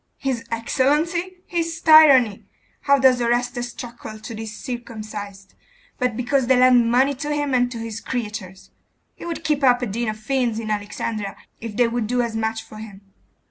'His excellency! His tyranny! Why does Orestes truckle to these circumcised, but because they lend money to him and to his creatures? He would keep up a den of fiends in Alexandria if they would do as much for him!